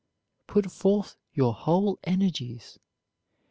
Put forth your whole energies.